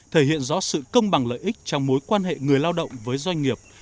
thể hiện rõ sự công bằng lợi ích trong mối quan hệ người lao động với doanh nghiệp